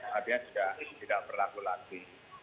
tapi yang sudah tidak berlaku lagi